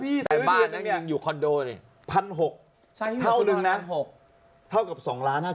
พี่ไม่ได้พี่ไม่ได้ซื้อทุกงวด